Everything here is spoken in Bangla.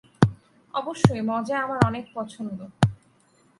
অবশ্যই, মজা আমার অনেক পছন্দ।